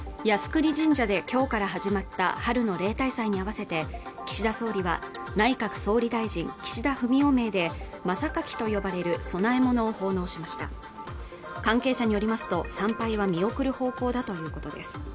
靖国神社できょうから始まった春の例大祭に合わせて岸田総理は内閣総理大臣・岸田文雄名で真榊と呼ばれる供え物を奉納しました関係者によりますと参拝は見送る方向だということです